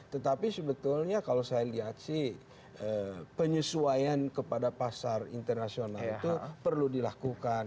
tetapi sebetulnya kalau saya lihat sih penyesuaian kepada pasar internasional itu perlu dilakukan